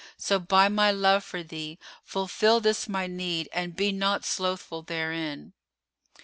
So, by my love for thee, fulfil this my need and be not slothful therein."